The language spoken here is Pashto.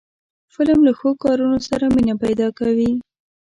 فلم له ښو کارونو سره مینه پیدا کوي